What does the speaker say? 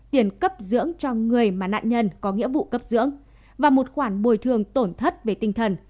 tiền cấp dưỡng cho người mà nạn nhân có nghĩa vụ cấp dưỡng và một khoản bồi thường tổn thất về tinh thần